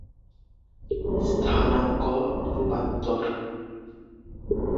আবার উপাত্ত রূপান্তরের জন্য আইএসও পদটি হল "স্থানাঙ্ক রূপান্তর"।